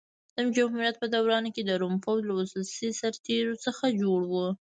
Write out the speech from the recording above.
د جمهوریت په دوران کې د روم پوځ له ولسي سرتېرو څخه جوړ و.